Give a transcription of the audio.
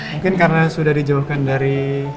mungkin karena sudah dijauhkan dari